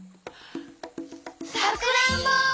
さくらんぼ！